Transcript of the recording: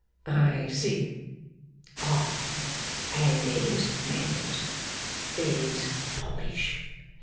'I see.' 'Ah! And there's manners! There's polish!